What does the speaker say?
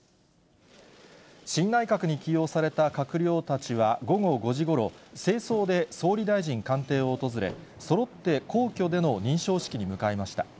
新内閣に起用された閣僚たちは午後５時ごろ、正装で総理大臣官邸を訪れ、そろって皇居での認証式に向かいました。